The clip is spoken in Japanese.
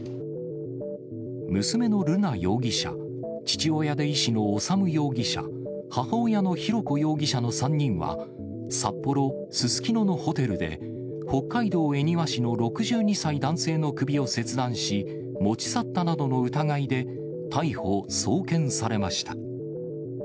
娘の瑠奈容疑者、父親で医師の修容疑者、母親の浩子容疑者の３人は、札幌・すすきののホテルで、北海道恵庭市の６２歳男性の首を切断し、持ち去ったなどの疑いで逮捕・送検されました。